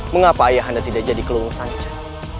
mengapa ayah anda tidak jadi kelurung sangcah